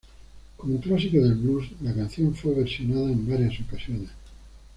Como clásico del "blues", la canción fue versionada en varias ocasiones.